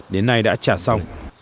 đến nay đã trả xong